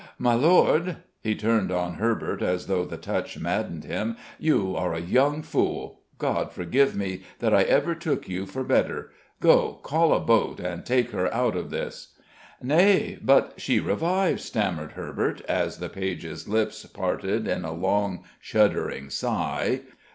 "My Lord" he turned on Herbert as though the touch maddened him "you are a young fool! God forgive me that I ever took you for better! Go, call a boat and take her out of this." "Nay, but she revives," stammered Herbert, as the page's lips parted in a long, shuddering sigh.